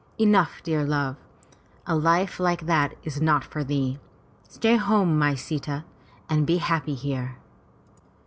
Enough, dear love. A life like that is not for thee. Stay home, my Sita, and be happy here."